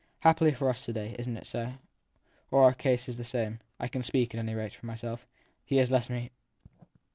Happily for us to day isn t it so ? our case is the same. I can speak, at any rate, for myself. He has left me.